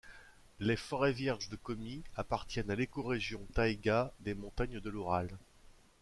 Les forêts vierges de Komi appartiennent à l'écorégion taïga des montagnes de l'Oural.